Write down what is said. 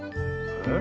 えっ？